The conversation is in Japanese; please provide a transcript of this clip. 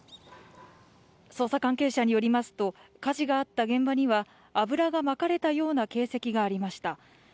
捜査関係者によりますと火事があった現場には油がまかれたような形跡がありました。